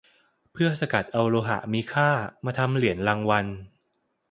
เพื่อสกัดเอาโลหะมีค่ามาทำเหรียญรางวัล